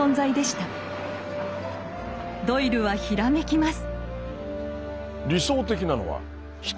ドイルはひらめきます。